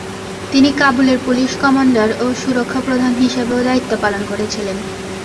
তিনি কাবুলের police commander এবং সুরক্ষা প্রধান হিসাবেও দায়িত্ব পালন করেছিলেন।